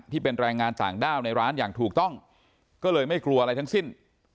ที่เป็นแรงงานต่างด้าวในร้านอย่างถูกต้องก็เลยไม่กลัวอะไรทั้งสิ้น